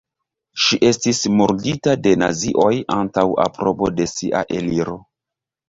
Ŝi estis murdita de nazioj antaŭ aprobo de sia eliro.